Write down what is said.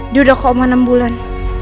dia udah koma enam bulan